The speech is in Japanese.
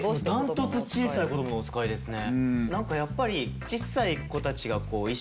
断トツ「小さい子供のおつかい」ですね。